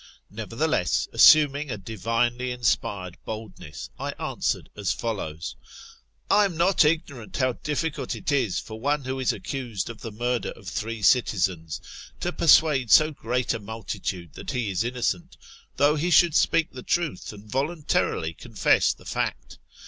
Nevertheless, assuming a divinely in spired boldness, I answered as follows :—" I am not ignorant how difficult it is for one who is accused of the murder of three citizens, to persuade so great a multitude that he is innocent, though he should speak the truth, and voluntarily confess the fact.